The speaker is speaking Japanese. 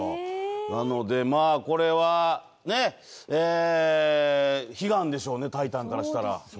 なので、これは、悲願でしょうね、タイタンからしたら。